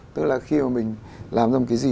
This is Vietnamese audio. tức là khi mà mình làm ra một cái gì